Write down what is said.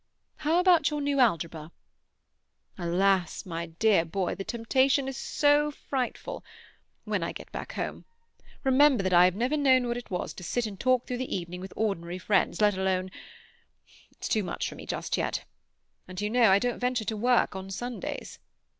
"How about your new algebra?" "Alas! My dear boy, the temptation is so frightful—when I get back home. Remember that I have never known what it was to sit and talk through the evening with ordinary friends, let alone—It's too much for me just yet. And, you know, I don't venture to work on Sundays.